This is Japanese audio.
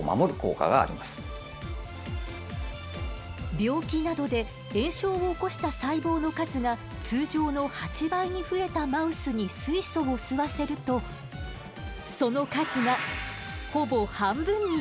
病気などで炎症を起こした細胞の数が通常の８倍に増えたマウスに水素を吸わせるとその数がほぼ半分に減少。